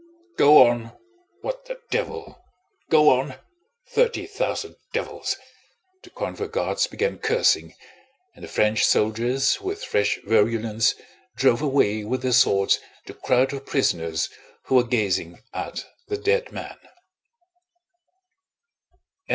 "Go on! What the devil... Go on! Thirty thousand devils!..." the convoy guards began cursing and the French soldiers, with fresh virulence, drove away with their swords the crowd of prisoners who were gazing at the dead man.